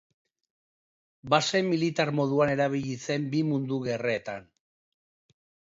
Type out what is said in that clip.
Base militar moduan erabili zen bi mundu gerretan.